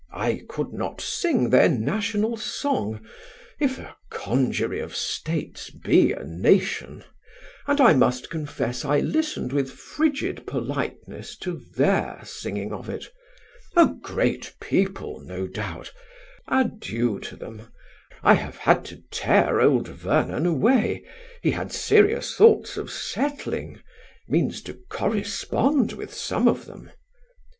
I could not sing their national song if a congery of states be a nation and I must confess I listened with frigid politeness to their singing of it. A great people, no doubt. Adieu to them. I have had to tear old Vernon away. He had serious thoughts of settling, means to correspond with some of them."